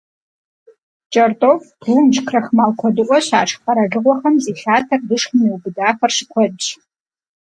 КӀэртӀоф, прунж, крахмал куэдыӀуэ щашх къэралыгъуэхэм зи лъатэр лышхым иубыдахэр щыкуэдщ.